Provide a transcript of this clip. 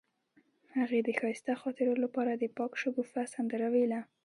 هغې د ښایسته خاطرو لپاره د پاک شګوفه سندره ویله.